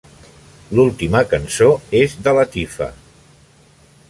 l'última cançó és de Latifa